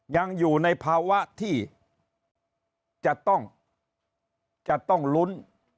ยังอยู่ในภาวะที่จะต้องลุ้น